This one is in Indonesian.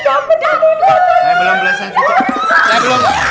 saya belum belas lagi cuy saya belum